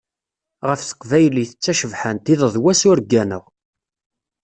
Ɣef teqbaylit, d tacebḥant, iḍ d wass ur gganeɣ.